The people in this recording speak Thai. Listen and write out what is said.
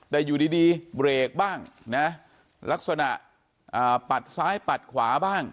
แต่อยู่ดีเบรกบ้างนะลักษณะปัดซ้ายปัดขวาบ้าง